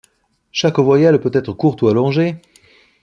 Chaque voyelle peut-être courte ou allongée.